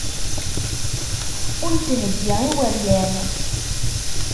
Ur netthegi iweryan.